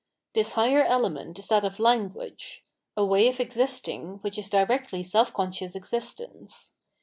This higher element is that of Language — a way of existing which is directly self conscious existence.